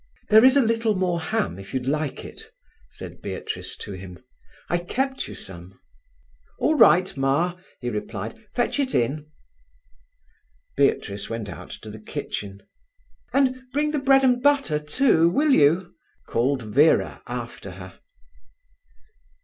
"There is a little more ham, if you'd like it," said Beatrice to him. "I kept you some." "All right, Ma," he replied. Fetch it in." Beatrice went out to the kitchen. "And bring the bread and butter, too, will you?" called Vera after her.